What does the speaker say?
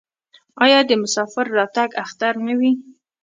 آیا د مسافر راتګ اختر نه وي؟